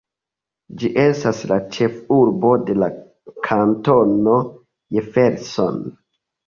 Ĝi estas la ĉefurbo de la Kantono Jefferson.